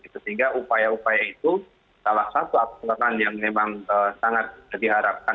sehingga upaya upaya itu salah satu aturan yang memang sangat diharapkan